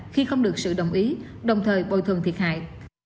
khi không được sự đồng ý đồng thời bồi thường thiệt hại